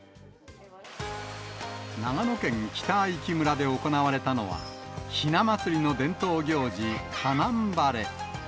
長野県北相木村で行われたのは、ひな祭りの伝統行事、家難祓。